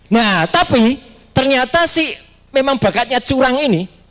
nah tapi ternyata si memang bakatnya curang ini